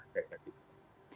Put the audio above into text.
jadi ada keselesaan